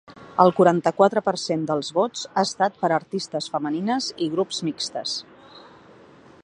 El quaranta-quatre per cent dels vots ha estat per a artistes femenines i grups mixtes.